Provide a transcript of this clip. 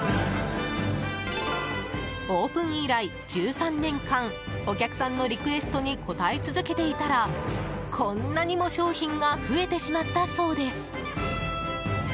オープン以来１３年間お客さんのリクエストに応え続けていたらこんなにも商品が増えてしまったそうです。